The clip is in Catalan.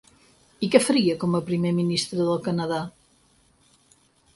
I què faria com a primer ministre del Canadà?